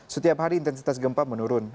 setiap hari intensitas gempa menurun